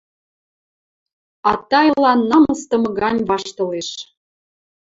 А Тайла намысдымы гань ваштылеш.